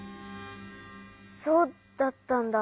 そうだったんだ。